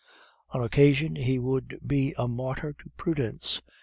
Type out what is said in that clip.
On occasion he would be a martyr to prudence.